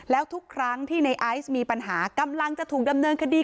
แล้วทุกครั้งที่ในไอซ์มีปัญหากำลังจะถูกดำเนินคดี